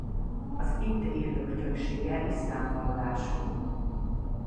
Az itt élők többsége iszlám vallású.